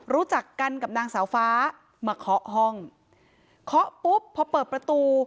รู้จักกันกับนางสาวฟ้ามาเคาะห้องเคาะปุ๊บพอเปิดประตู